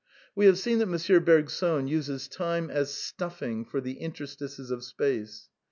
We have seen that M. Bergson uses time as stuffing for the interstices of space.